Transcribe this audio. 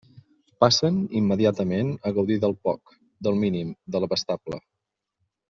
Passen immediatament a gaudir del poc, del mínim, de l'abastable.